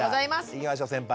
いきましょう先輩。